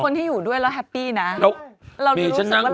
แต่เป็นคนที่อยู่ด้วยแล้วแฮปปี้นะ